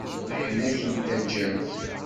Leḥnak n taǧǧalt!